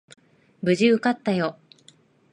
無事受かったよ。